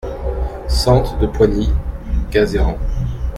Sente de Poigny, Gazeran